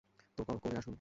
তো করে আসুন।